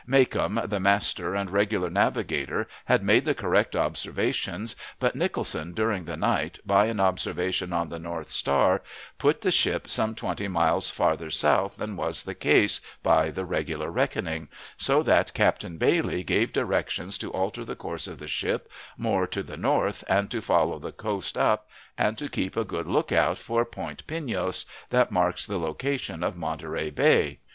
Macomb, the master and regular navigator, had made the correct observations, but Nicholson during the night, by an observation on the north star, put the ship some twenty miles farther south than was the case by the regular reckoning, so that Captain Bailey gave directions to alter the course of the ship more to the north, and to follow the coast up, and to keep a good lookout for Point Pinos that marks the location of Monterey Bay.